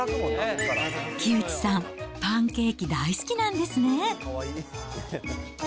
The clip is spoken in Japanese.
木内さん、パンケーキ大好きなんですね。